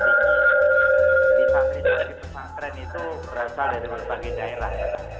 jadi santri santri pesantren itu berasal dari berbagai daerah